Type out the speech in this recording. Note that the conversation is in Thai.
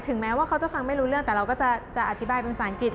แม้ว่าเขาจะฟังไม่รู้เรื่องแต่เราก็จะอธิบายเป็นภาษาอังกฤษ